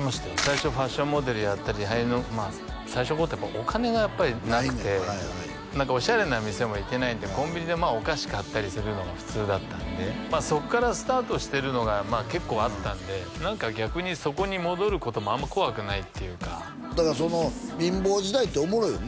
最初ファッションモデルやったり最初の頃ってお金がやっぱりなくてオシャレな店も行けないんでコンビニでお菓子買ったりするのが普通だったんでそっからスタートしてるのが結構あったんで逆にそこに戻ることもあんま怖くないっていうかだからその貧乏時代っておもろいよね